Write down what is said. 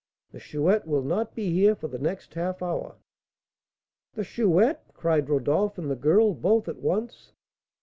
The Chouette will not be here for the next half hour." "The Chouette!" cried Rodolph and the girl both at once.